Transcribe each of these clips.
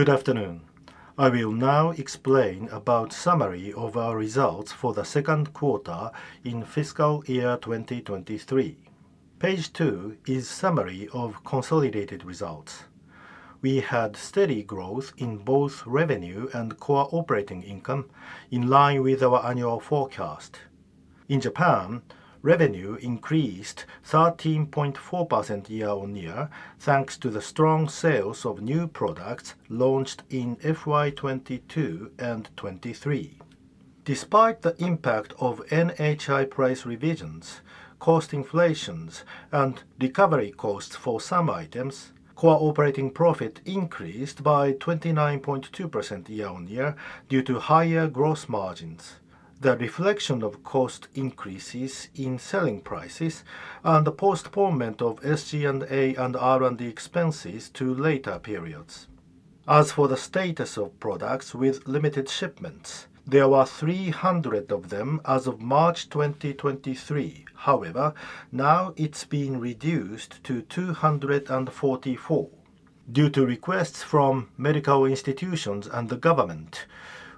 Good afternoon. I will now explain about summary of our results for the second quarter in fiscal year 2023. Page two is summary of consolidated results. We had steady growth in both revenue and core operating income, in line with our annual forecast. In Japan, revenue increased 13.4% year-on-year, thanks to the strong sales of new products launched in FY 2022 and 2023. Despite the impact of NHI price revisions, cost inflations, and recovery costs for some items, core operating profit increased by 29.2% year-on-year due to higher gross margins, the reflection of cost increases in selling prices, and the postponement of SG&A and R&D expenses to later periods. As for the status of products with limited shipments, there were 300 of them as of March 2023. However, now it has been reduced to 244. Due to requests from medical institutions and the government,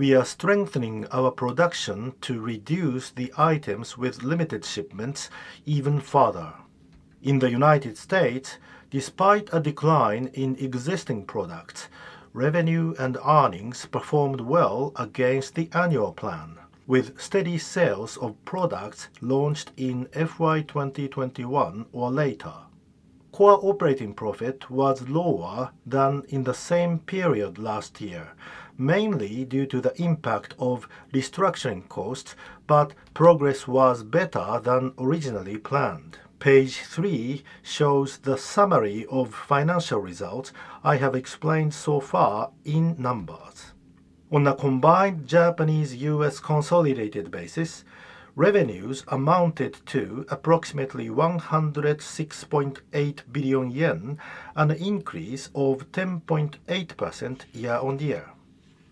we are strengthening our production to reduce the items with limited shipments even further. In the U.S., despite a decline in existing products, revenue and earnings performed well against the annual plan, with steady sales of products launched in FY 2021 or later. Core operating profit was lower than in the same period last year, mainly due to the impact of restructuring costs, but progress was better than originally planned. Page three shows the summary of financial results I have explained so far in numbers. On a combined Japanese-U.S. consolidated basis, revenues amounted to approximately 106.8 billion yen, an increase of 10.8% year-on-year.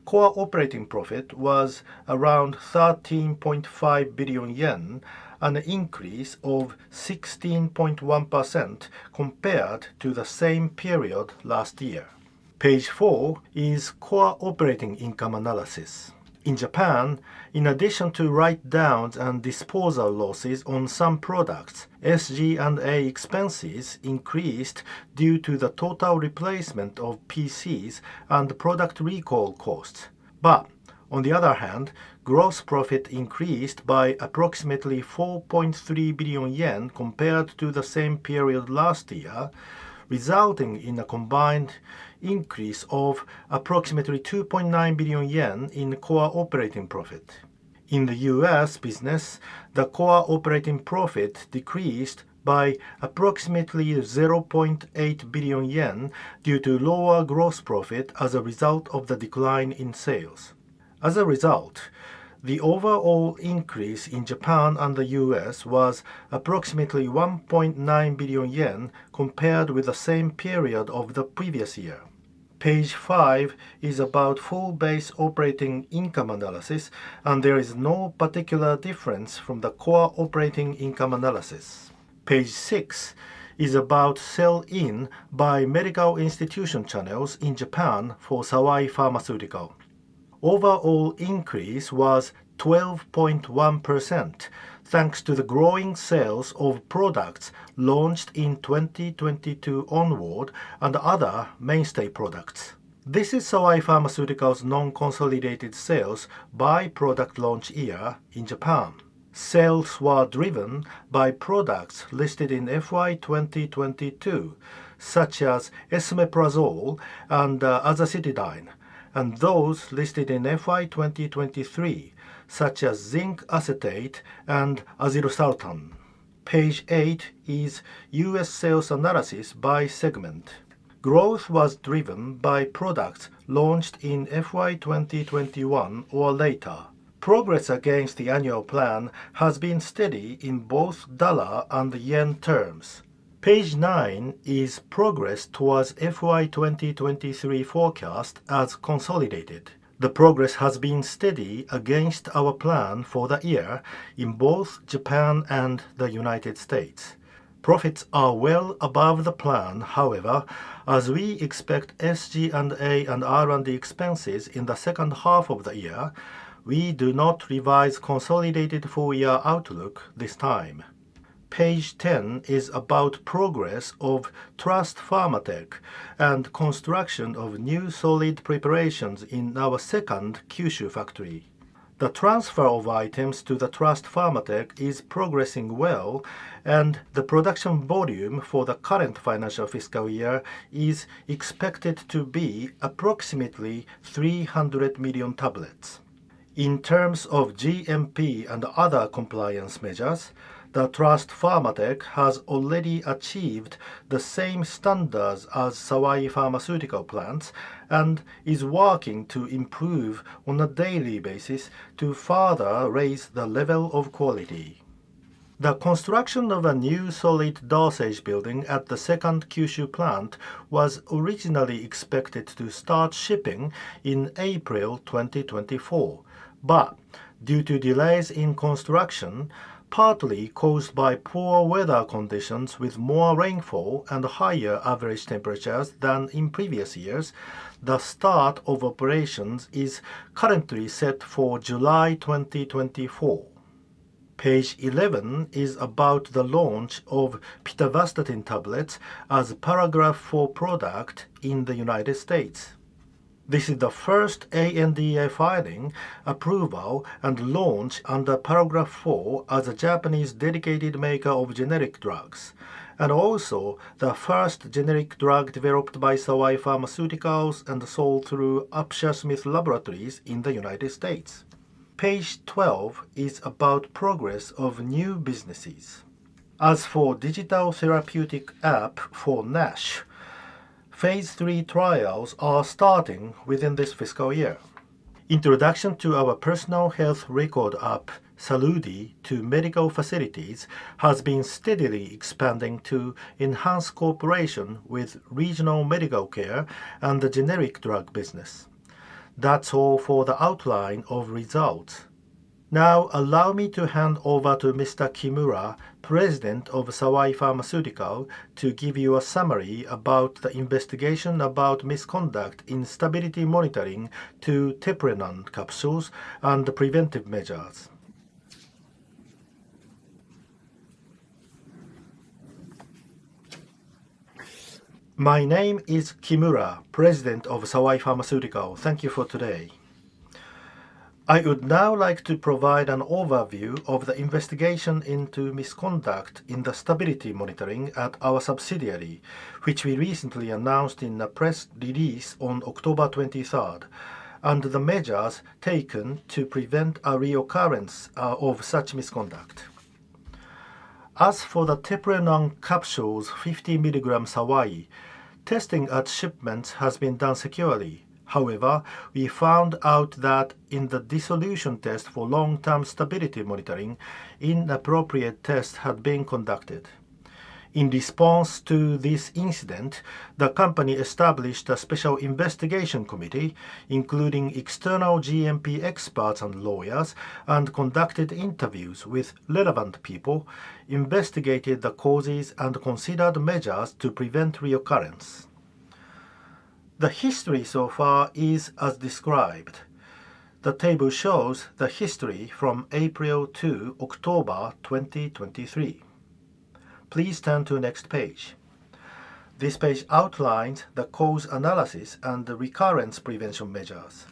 Core operating profit was around 13.5 billion yen, an increase of 16.1% compared to the same period last year. Page four is core operating income analysis. In Japan, in addition to write-downs and disposal losses on some products, SG&A expenses increased due to the total replacement of PCs and product recall costs. On the other hand, gross profit increased by approximately 4.3 billion yen compared to the same period last year, resulting in a combined increase of approximately 2.9 billion yen in core operating profit. In the U.S. business, the core operating profit decreased by approximately 0.8 billion yen due to lower gross profit as a result of the decline in sales. As a result, the overall increase in Japan and the U.S. was approximately 1.9 billion yen compared with the same period of the previous year. Page five is about full base operating income analysis, and there is no particular difference from the core operating income analysis. Page six is about sell-in by medical institution channels in Japan for Sawai Pharmaceutical. Overall increase was 12.1% thanks to the growing sales of products launched in 2022 onward and other mainstay products. This is Sawai Pharmaceutical's non-consolidated sales by product launch year in Japan. Sales were driven by products listed in FY 2022, such as esomeprazole and azacitidine, and those listed in FY 2023, such as zinc acetate and azilsartan. Page eight is U.S. sales analysis by segment. Growth was driven by products launched in FY 2021 or later. Progress against the annual plan has been steady in both dollar and JPY terms. Page nine is progress towards FY 2023 forecast as consolidated. The progress has been steady against our plan for the year in both Japan and the U.S. Profits are well above the plan. As we expect SG&A and R&D expenses in the second half of the year, we do not revise consolidated full year outlook this time. Page 10 is about progress of Trust Pharmatech and construction of new solid preparations in our second Kyushu factory. The transfer of items to Trust Pharmatech is progressing well, and the production volume for the current financial fiscal year is expected to be approximately 300 million tablets. In terms of GMP and other compliance measures, Trust Pharmatech has already achieved the same standards as Sawai Pharmaceutical plants and is working to improve on a daily basis to further raise the level of quality. The construction of a new solid dosage building at the second Kyushu plant was originally expected to start shipping in April 2024. Due to delays in construction, partly caused by poor weather conditions with more rainfall and higher average temperatures than in previous years, the start of operations is currently set for July 2024. Page 11 is about the launch of pitavastatin tablets as a Paragraph IV product in the U.S. This is the first ANDA filing, approval, and launch under Paragraph IV as a Japanese dedicated maker of generic drugs, and also the first generic drug developed by Sawai Pharmaceutical and sold through Upsher-Smith Laboratories in the U.S. Page 12 is about progress of new businesses. As for digital therapeutic app for NASH, phase III trials are starting within this fiscal year. Introduction to our personal health record app, SaluDi, to medical facilities has been steadily expanding to enhance cooperation with regional medical care and the generic drug business. That's all for the outline of results. Now allow me to hand over to Mr. Kimura, President of Sawai Pharmaceutical, to give you a summary about the investigation about misconduct in stability monitoring to Teprenone Capsules and the preventive measures. My name is Kimura, President of Sawai Pharmaceutical. Thank you for today. I would now like to provide an overview of the investigation into misconduct in the stability monitoring at our subsidiary, which we recently announced in a press release on October 23rd, and the measures taken to prevent a reoccurrence of such misconduct. As for the Teprenone Capsules 50 mg Sawai, testing at shipments has been done securely. However, we found out that in the dissolution test for long-term stability monitoring, inappropriate tests had been conducted. In response to this incident, the company established a special investigation committee, including external GMP experts and lawyers, and conducted interviews with relevant people, investigated the causes, and considered measures to prevent reoccurrence. The history so far is as described. The table shows the history from April to October 2023. Please turn to next page. This page outlines the cause analysis and the recurrence prevention measures.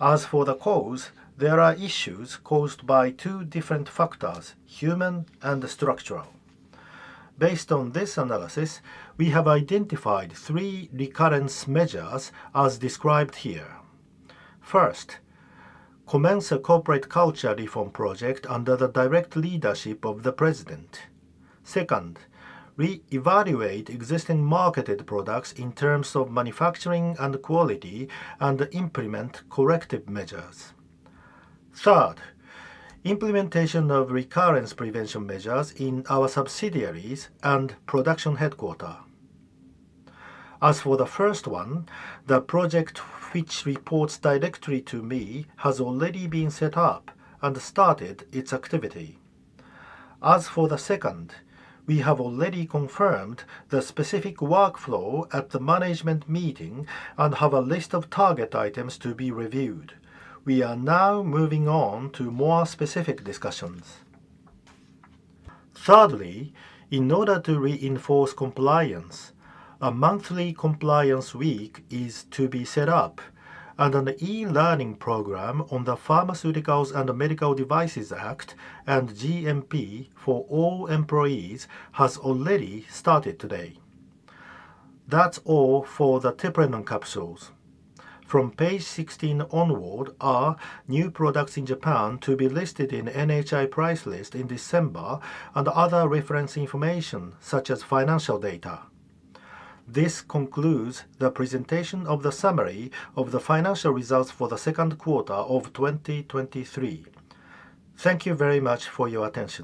As for the cause, there are issues caused by two different factors: human and structural. Based on this analysis, we have identified three recurrence measures, as described here. First, commence a corporate culture reform project under the direct leadership of the President. Second, reevaluate existing marketed products in terms of manufacturing and quality and implement corrective measures. Third, implementation of recurrence prevention measures in our subsidiaries and production headquarters. As for the first one, the project, which reports directly to me, has already been set up and started its activity. As for the second, we have already confirmed the specific workflow at the management meeting and have a list of target items to be reviewed. We are now moving on to more specific discussions. Thirdly, in order to reinforce compliance, a monthly compliance week is to be set up, and an e-learning program on the Pharmaceuticals and Medical Devices Act and GMP for all employees has already started today. That's all for the Teprenone Capsules. From page 16 onward are new products in Japan to be listed in NHI price list in December and other reference information such as financial data. This concludes the presentation of the summary of the financial results for the second quarter of 2023. Thank you very much for your attention.